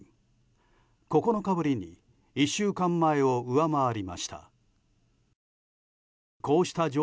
９日ぶりに１週間前を上回りました。